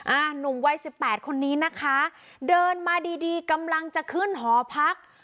หนุ่มวัยสิบแปดคนนี้นะคะเดินมาดีดีกำลังจะขึ้นหอพัก